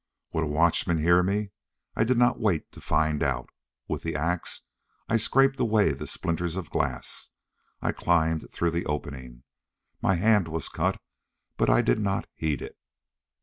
Would a watchman hear me? I did not wait to find out. With the ax I scraped away the splinters of glass. I climbed through the opening. My hand was cut, but I did not heed it.